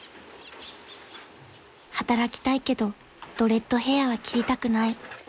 ［働きたいけどドレッドヘアは切りたくない］